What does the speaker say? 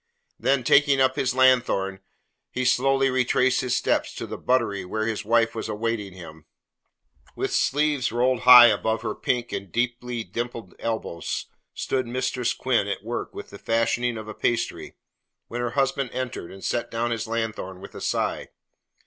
Then, taking up his lanthorn, he slowly retraced his steps to the buttery where his wife was awaiting him. With sleeves rolled high above her pink and deeply dimpled elbows stood Mistress Quinn at work upon the fashioning of a pastry, when her husband entered and set down his lanthorn with a sigh.